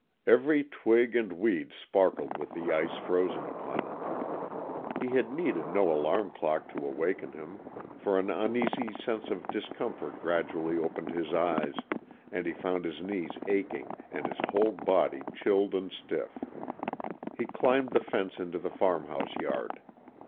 Every twig and weed sparkled with the ice frozen upon it. He had needed no alarm clock to awaken him, for an uneasy sense of discomfort gradually opened his eyes, and he found his knees aching and his whole body chilled and stiff. He climbed the fence into the farm house yard.